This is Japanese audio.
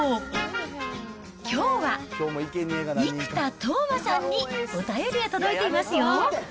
きょうは生田斗真さんにお便りが届いていますよ。